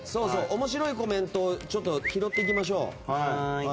面白いコメントを拾っていきましょう。